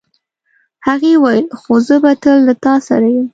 هغې وویل خو زه به تل له تا سره یم.